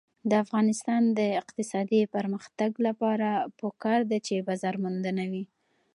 د افغانستان د اقتصادي پرمختګ لپاره پکار ده چې بازارموندنه وي.